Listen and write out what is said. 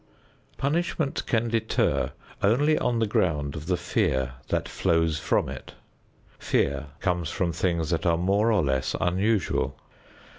Punishment can deter only on the ground of the fear that flows from it. Fear comes from things that are more or less unusual.